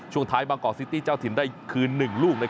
ท้ายบางกอกซิตี้เจ้าถิ่นได้คืน๑ลูก